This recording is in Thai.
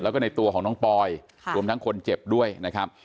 แล้วก็ในตัวของน้องปอยรวมทั้งคนเจ็บด้วยนะครับ